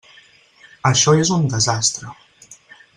Això és un desastre.